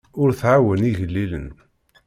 Ur tɛawen igellilen.